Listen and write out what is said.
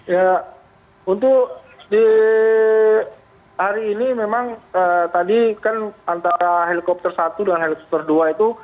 ya untuk di hari ini memang tadi kan antara helikopter satu dengan helikopter dua itu